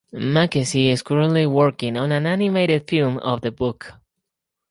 Mackesy is currently working on an animated film of the book.